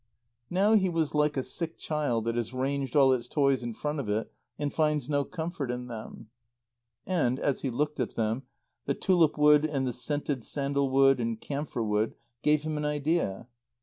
Now he was like a sick child that has ranged all its toys in front of it and finds no comfort in them. And, as he looked at them, the tulip wood and the scented sandalwood and camphor wood gave him an idea.